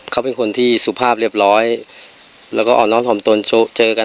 เขาเป็นคนที่สุภาพเรียบร้อยแล้วก็อ่อนน้อมถ่อมตนเจอกัน